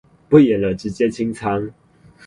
不演了直接清倉